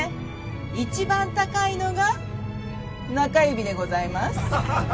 一番高いのが中指でございます。